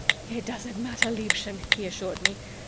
"It doesn't matter, Liebchen," he assured me.